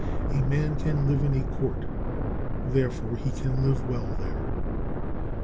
A man can live in a court, therefore he can live well there.